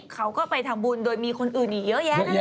เขาก็ไปทำบุญโดยมีคนอื่นอีกเยอะแยะนั่นแหละ